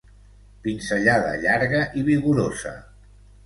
Pinzellada llarga i vigorosa.